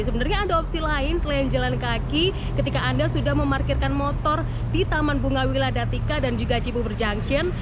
sebenarnya ada opsi lain selain jalan kaki ketika anda sudah memarkirkan motor di taman bunga wiladatika dan juga cibubur junction